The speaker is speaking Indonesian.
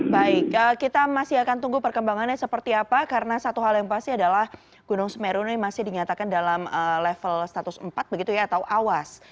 baik kita masih akan tunggu perkembangannya seperti apa karena satu hal yang pasti adalah gunung semeru ini masih dinyatakan dalam level status empat begitu ya atau awas